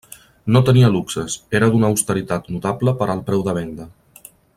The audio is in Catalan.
No tenia luxes, era d'una austeritat notable per al preu de venda.